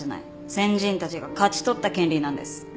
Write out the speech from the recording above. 先人たちが勝ち取った権利なんです。